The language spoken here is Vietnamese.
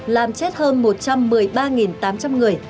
làm chết hơn một trăm một mươi ba tám trăm linh người